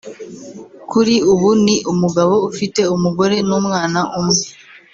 kuri ubu ni umugabo ufite umugore n’umwana umwe